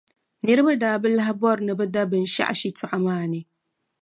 Niriba daa bi lahi bɔri ni bɛ da binshɛɣu shitɔɣu maa ni.